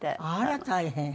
あら大変。